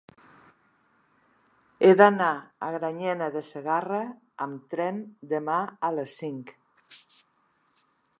He d'anar a Granyena de Segarra amb tren demà a les cinc.